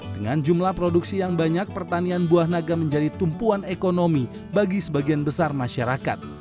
dengan jumlah produksi yang banyak pertanian buah naga menjadi tumpuan ekonomi bagi sebagian besar masyarakat